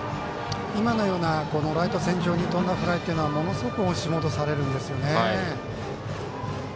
今のようなライト線上に飛んだ打球というのはものすごく押し戻されるんですよ。